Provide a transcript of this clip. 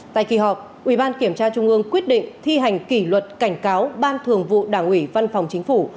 tại kỳ họp ủy ban kiểm tra trung ương quyết định thi hành kỷ luật cảnh cáo ban thường vụ đảng ủy văn phòng chính phủ